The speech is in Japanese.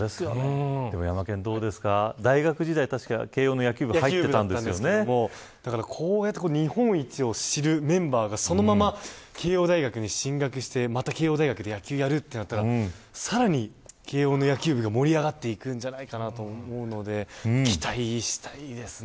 ヤマケン、どうですか大学時代慶応の野球部日本一を知るメンバーがそのまま慶応大学に進学して慶応大学で野球をやるとなったらさらに慶応の野球部が盛り上がっていくんじゃないかなと思うので期待したいですね。